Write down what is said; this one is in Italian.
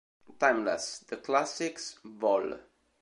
Timeless: The Classics Vol.